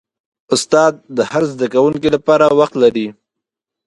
استاد د هر زده کوونکي لپاره وخت لري.